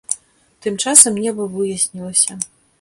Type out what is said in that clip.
Тым часам неба выяснілася.